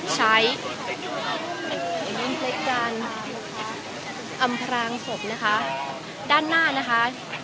ใช้อัมพลังศพนะคะด้านหน้านะคะ